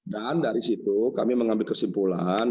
dan dari situ kami mengambil kesimpulan